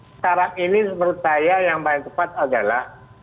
sekarang ini menurut saya yang paling tepat adalah